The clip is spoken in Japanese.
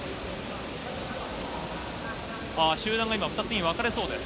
集団が今、２つに分かれそうです。